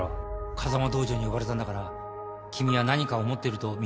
「風間道場に呼ばれたんだから君は何かを持っていると見込まれたんだ」